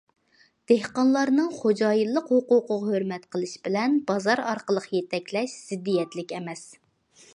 دېھقانلارنىڭ خوجايىنلىق ھوقۇقىغا ھۆرمەت قىلىش بىلەن بازار ئارقىلىق يېتەكلەش زىددىيەتلىك ئەمەس.